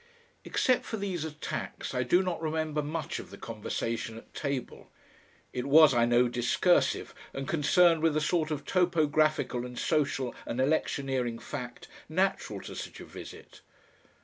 Except for these attacks I do not remember much of the conversation at table; it was, I know, discursive and concerned with the sort of topographical and social and electioneering fact natural to such a visit.